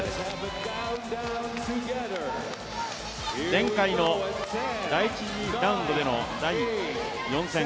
前回の第１次ラウンドでの第４戦